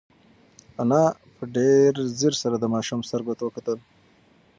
انا په ډېر ځير سره د ماشوم سترګو ته وکتل.